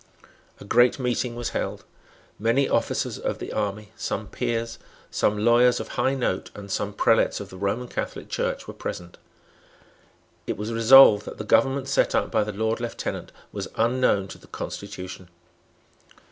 A great meeting was held. Many officers of the army, some peers, some lawyers of high note and some prelates of the Roman Catholic Church were present. It was resolved that the government set up by the Lord Lieutenant was unknown to the constitution.